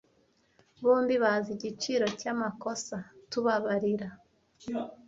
bombi bazi igiciro cyamakosa tubabarira